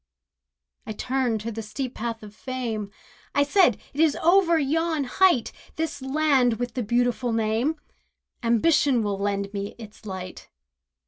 I turned to the steep path of fame, I said, "It is over yon height— This land with the beautiful name— Ambition will lend me its light."